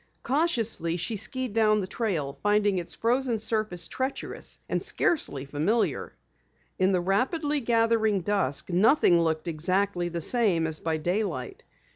Cautiously, she skied down the trail, finding its frozen surface treacherous, and scarcely familiar. In the rapidly gathering dusk nothing looked exactly the same as by daylight.